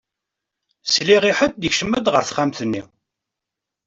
Sliɣ i ḥed ikcem-d ɣer texxamt-nni.